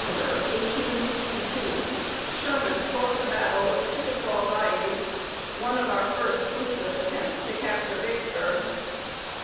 ] On the 28th of December, 1862, Sherman fought the battle of Chickasaw Bayou, one of our first fruitless attempts to capture Vicksburg.